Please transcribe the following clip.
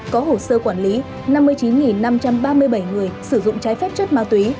có hồ sơ quản lý năm mươi chín năm trăm ba mươi bảy người sử dụng trái phép chất ma túy